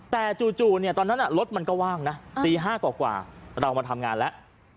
แต่จู่ตอนนั้นรถมันก็ว่างนะตี๕กว่าเรามาทำงานแล้ว